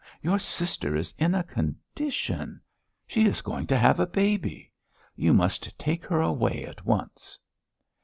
Your sister is in a condition.... She is going to have a baby! You must take her away at once...."